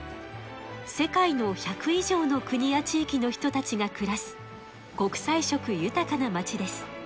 世界の１００いじょうの国やちいきの人たちがくらす国さい色ゆたかな町です。